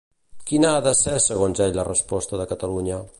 Quina ha de ser segons ell la resposta de Catalunya?